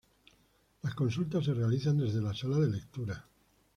Las consultas se realizan desde la Sala de Lectura.